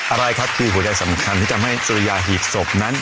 อะไรครับคือหัวใจสำคัญที่ทำให้สุริยาหีบศพนั้น